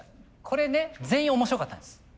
これね全員面白かったんです。